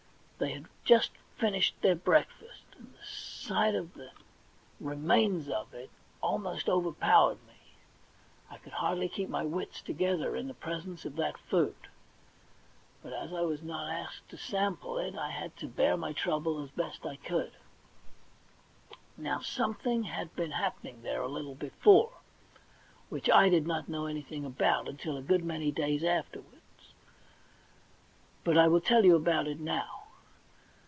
They had just finished their breakfast, and the sight of the THE £1,000,000 BANK NOTE 3 remains of it almost overpo^yered me. I could hardly keep my ^\its together in the presence of that food, but as I was not asked to sample it, I had to bear my trouble as best I could. Now, something had been happening there a little before, which I did not know anything about until a good many days afterwards, but I will tell you about it now.